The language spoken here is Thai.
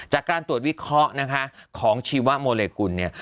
จากการตรวจวิเคราะห์นะคะของชีวะโมเลกุลเนี่ย